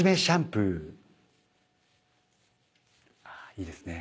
いいですね。